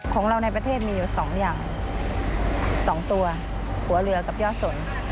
ของเราในประเทศมีอยู่๒อย่าง๒ตัวหัวเรือกับยอดสน